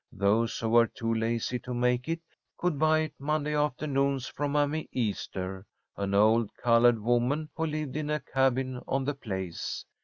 Those who were too lazy to make it could buy it Monday afternoons from Mammy Easter, an old coloured woman who lived in a cabin on the place.